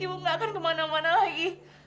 ibu gak akan kemana mana lagi